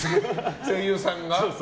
声優さんが？